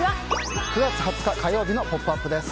９月２０日、火曜日の「ポップＵＰ！」です。